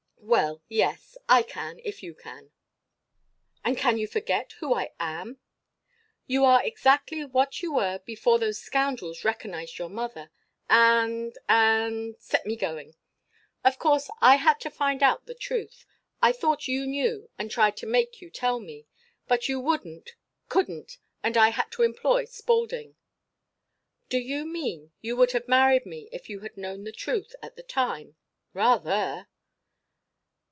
"Well, yes. I can if you can." "And can you forget who I am?" "You are exactly what you were before those scoundrels recognized your mother, and and set me going. Of course I had to find out the truth. I thought you knew and tried to make you tell me. But you wouldn't couldn't and I had to employ Spaulding." "Do you mean you would have married me if you had known the truth at the time?" "Rather."